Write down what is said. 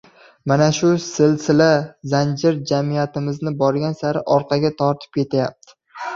Mana shu silsila, zanjir jamiyatimizni borgan sari orqaga tortib kelyapti.